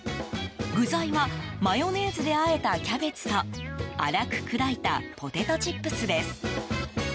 具材はマヨネーズであえたキャベツと粗く砕いたポテトチップスです。